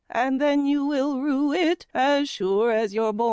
And then you will rue it, as sure as you're born.